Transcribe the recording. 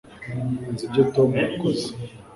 nzi ibyo tom yakoze